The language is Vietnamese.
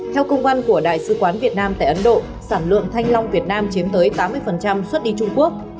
theo công văn của đại sứ quán việt nam tại ấn độ sản lượng thanh long việt nam chiếm tới tám mươi xuất đi trung quốc